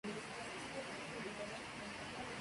Tres girasoles tenían al árbol de compañeros.